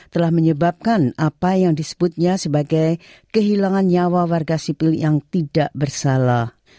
telah menyebabkan apa yang disebutnya sebagai kehilangan nyawa warga sipil yang tidak bersalah